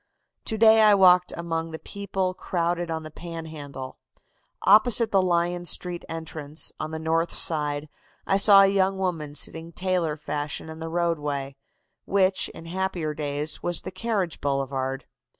"To day I walked among the people crowded on the Panhandle. Opposite the Lyon Street entrance, on the north side, I saw a young woman sitting tailor fashion in the roadway, which, in happier days, was the carriage boulevard.